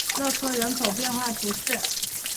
勒科人口变化图示